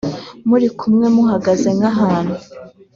muri kumwe muhagaze nk’ahantu